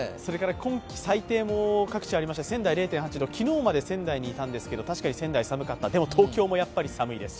今季最低も各地ありました仙台０．８度昨日まで仙台にいたんですが確かに仙台寒かった、でも東京も寒いです。